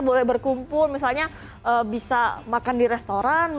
boleh berkumpul misalnya bisa makan di restoran